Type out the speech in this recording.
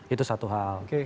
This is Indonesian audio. itu satu hal